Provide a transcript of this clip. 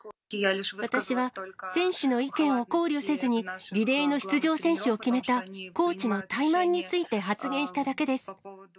私は選手の意見を考慮せずに、リレーの出場選手を決めた、コーチの怠慢について発言しただけです。